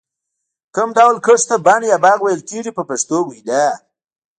کوم ډول کښت ته بڼ یا باغ ویل کېږي په پښتو وینا.